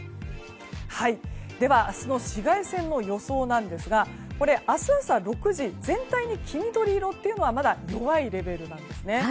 明日の紫外線の予想なんですが明日朝６時全体に黄緑色というのはまだ弱いレベルなんですね。